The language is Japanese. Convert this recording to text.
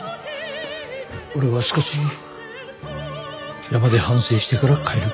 俺は少し山で反省してから帰る。